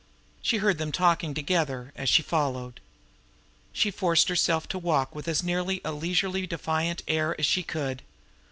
She heard them talking together, as she followed. She forced herself to walk with as nearly a leisurely defiant air as she could.